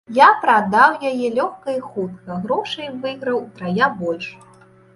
Я прадаў яе лёгка і хутка, грошай выйграў утрая больш.